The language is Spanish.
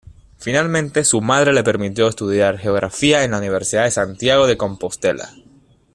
Finalmente su madre le permitió estudiar Geografía en la Universidad de Santiago de Compostela.